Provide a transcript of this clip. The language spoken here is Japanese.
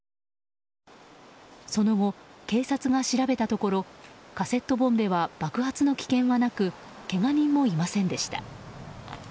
その後、警察が調べたところカセットボンベは爆発の危険はなくけが人もいませんでした。